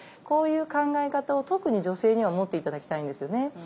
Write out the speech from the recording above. こういう考え方を特に女性には持って頂きたいんですよね。